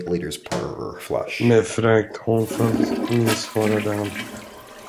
Med fräck, hånfull min svarade han.